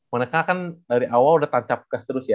mereka kan dari awal udah tancap gas terus ya